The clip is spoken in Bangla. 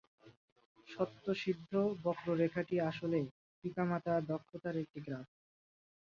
স্বত:সিদ্ধ বক্ররেখাটি আসলে "পিতামাতার দক্ষতার" একটি গ্রাফ।